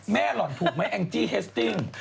หล่อนถูกไหมแองจี้เฮสติ้ง